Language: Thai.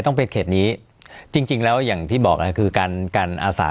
ต้องเป็นเขตนี้จริงแล้วอย่างที่บอกน่ะคือการการอาสา